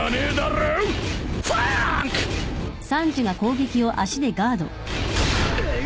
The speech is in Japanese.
うっ。